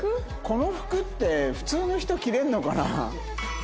この服って普通の人着れるのかな？